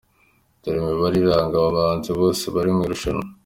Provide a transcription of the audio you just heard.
Dore imibare iranga aba bahanzi bose bari mu irushanwa:.